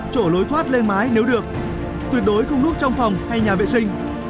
chổ lối thoát lên mái nếu được tuyệt đối không núp trong phòng hay nhà vệ sinh